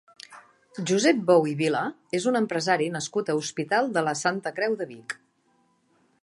Josep Bou i Vila és un empresari nascut a Hospital de la Santa Creu de Vic.